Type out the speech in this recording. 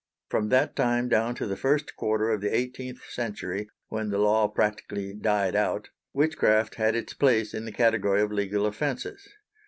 From that time down to the first quarter of the eighteenth century, when the law practically died out, witchcraft had its place in the category of legal offences.